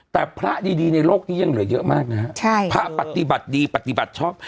แต่พระดีในโลกนี้ยังเหลือเยอะมากนะฮะใช่พระปฏิบัติดีปฏิบัติชอบ